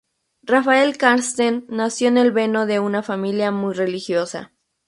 Rafael Karsten nació en el velo de una familia muy religiosa.